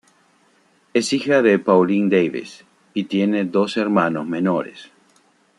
Es hija de Pauline Davis y tiene dos hermanos menores.